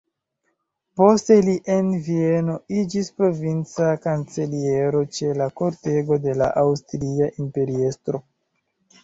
Poste li en Vieno iĝis provinca kanceliero ĉe la kortego de la aŭstria imperiestro.